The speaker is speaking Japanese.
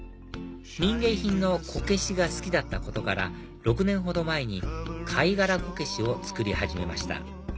民芸品のこけしが好きだったことから６年ほど前に貝殻こけしを作り始めました